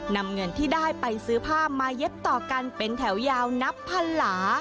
นำเงินที่ได้ไปซื้อผ้ามาเย็บต่อกันเป็นแถวยาวนับพันหลา